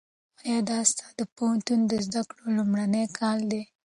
ایا دا ستا د پوهنتون د زده کړو لومړنی کال دی؟